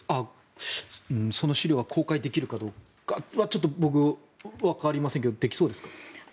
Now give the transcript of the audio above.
その資料が公開できるかどうかは僕、ちょっとわかりませんけどできそうですか？